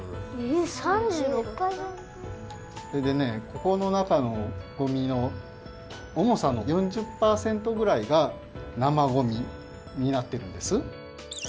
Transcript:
それでねここのなかのごみのおもさの４０パーセントぐらいが生ごみになってるんです。